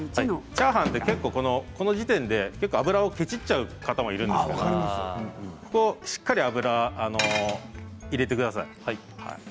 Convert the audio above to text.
チャーハンはこの時点で結構油をけちっちゃう方がいるんですけれどもここはしっかり油を入れてください。